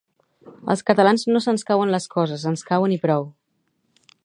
Als catalans no se'ns cauen les coses, ens cauen i prou